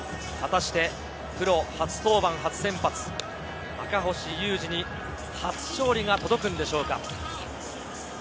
果たしてプロ初登板、初先発、赤星優志に初勝利が届くんでしょうか。